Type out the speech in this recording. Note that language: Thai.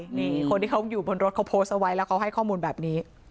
นี่คนที่เขาอยู่บนรถเขาโพสต์เอาไว้แล้วเขาให้ข้อมูลแบบนี้